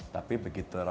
tapi begitu ramadhan